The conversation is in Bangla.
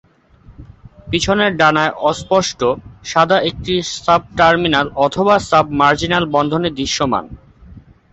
পিছনের ডানায় অস্পষ্ট, সাদা একটি সাব-টার্মিনাল অথবা সাব-মার্জিনাল বন্ধনী দৃশ্যমান।